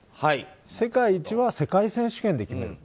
世界一は世界選手権で決める。